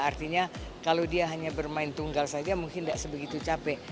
artinya kalau dia hanya bermain tunggal saja mungkin tidak sebegitu capek